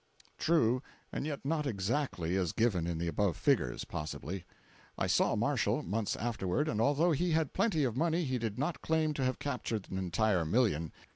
[True, and yet not exactly as given in the above figures, possibly. I saw Marshall, months afterward, and although he had plenty of money he did not claim to have captured an entire million.